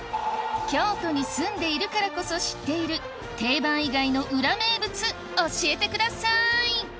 京都に住んでいるからこそ知っている定番以外の裏名物教えてください！